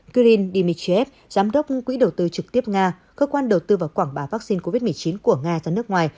kirin dmitriev giám đốc quỹ đầu tư trực tiếp nga cơ quan đầu tư vào quảng bá vaccine covid một mươi chín của nga ra nước ngoài